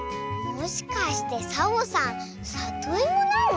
もしかしてサボさんさといもなの？